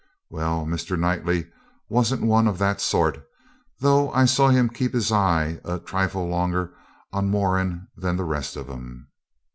Well, Mr. Knightley wasn't one of that sort, though I saw him keep his eye a trifle longer on Moran than the rest of 'em.